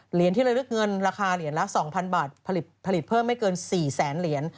เหรียญที่ระลึกเงินราคาเหรียญละ๒๐๐บาทผลิตเพิ่มไม่เกิน๔แสนเหรียญ